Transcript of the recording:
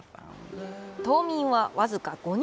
島民は僅か５人。